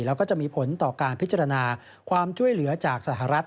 แล้วก็จะมีผลต่อการพิจารณาความช่วยเหลือจากสหรัฐ